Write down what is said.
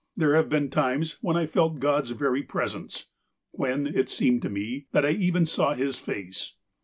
There have been times when I felt God's very presence — when, it seemed to me, that I even saw His face."